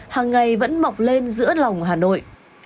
hàng ngày vẫn mọc lên giữa lòng hà nội